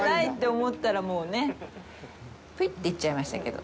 ぷいって行っちゃいましたけど。